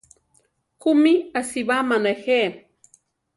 ¿Kúmi asibáma nejé?